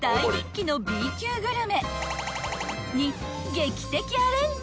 ［劇的アレンジ］